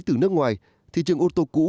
từ nước ngoài thị trường ô tô cũ